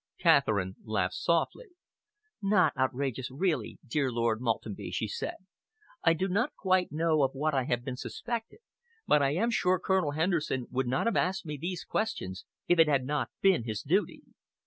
Catherine laughed softly. "Not outrageous really, dear Lord Maltenby," she said. "I do not quite know of what I have been suspected, but I am sure Colonel Henderson would not have asked me these questions if it had not been his duty."